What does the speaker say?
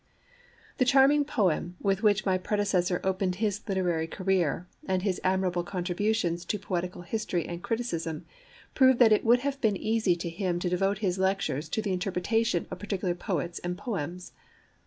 The charming poem with which my predecessor opened his literary career, and his admirable contributions to poetical history and criticism, prove that it would have been easy to him to devote his lectures to the interpretation of particular poets and poems.